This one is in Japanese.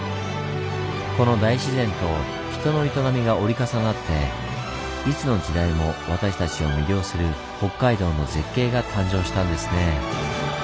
この大自然と人の営みが折り重なっていつの時代も私たちを魅了する北海道の絶景が誕生したんですね。